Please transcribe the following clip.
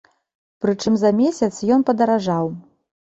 Прычым за месяц ён падаражаў!